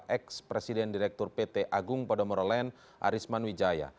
ex presiden direktur pt agung podomorolen arisman wijaya